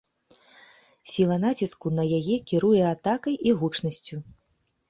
Сіла націску на яе кіруе атакай і гучнасцю.